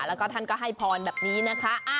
แล้วก็ท่านก็ให้พรแบบนี้นะคะ